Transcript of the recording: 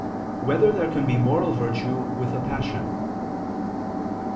2] Whether There Can Be Moral Virtue with Passion?